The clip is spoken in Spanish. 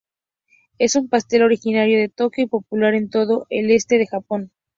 Es un pastel originario de Tokio y popular en todo el este de Japón.